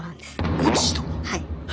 はい。